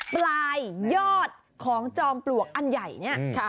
ปลายยอดของจอมปลวกอันใหญ่เนี่ย